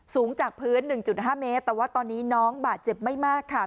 สูงจากพื้น๑๕เมตรแต่ว่าตอนนี้น้องบาดเจ็บไม่มากค่ะ